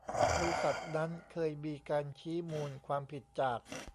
บริษัทนั้นเคยมีการชี้มูลความผิดจาก